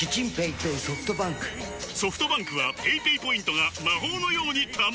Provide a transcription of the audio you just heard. ソフトバンクはペイペイポイントが魔法のように貯まる！